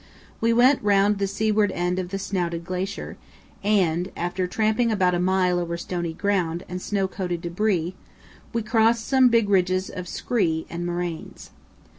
We went round the seaward end of the snouted glacier, and after tramping about a mile over stony ground and snow coated debris, we crossed some big ridges of scree and moraines.